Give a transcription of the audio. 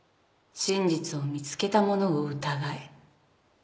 「真実を見つけたものを疑え」